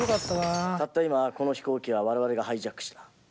たった今この飛行機はわれわれがハイジャックした。